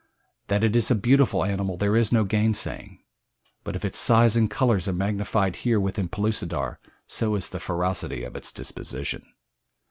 That it is a beautiful animal there is no gainsaying, but if its size and colors are magnified here within Pellucidar, so is the ferocity of its disposition.